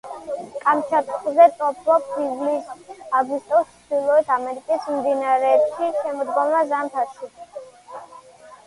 კამჩატკაზე ტოფობს ივლის-აგვისტოში, ჩრდილოეთ ამერიკის მდინარეებში შემოდგომა-ზამთარში.